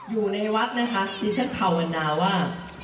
อยู่ในวัดนะคะดิฉันภาวนาว่า